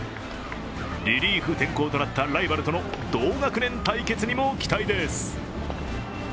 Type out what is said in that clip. リリーフ転向となったライバルとの同学年対決にも期待です。